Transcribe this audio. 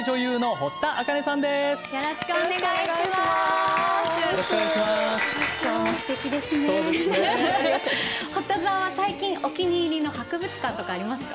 堀田さんは最近お気に入りの博物館とかありますか？